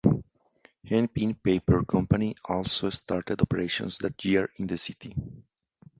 Hennepin Paper Company also started operations that year in the city.